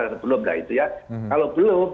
atau belum kalau belum